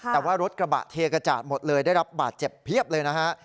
แต่ว่ารถกระบะเทกระจาดหมดเลยได้รับบาดเจ็บเพียบเลยนะฮะ